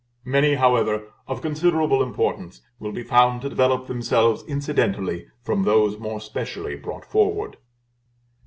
Many, however, of considerable importance will be found to develope themselves incidentally from those more specially brought forward.